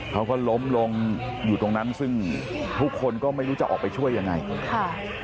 เขาก็ล้มลงอยู่ตรงนั้นซึ่งทุกคนก็ไม่รู้จะออกไปช่วยยังไงค่ะ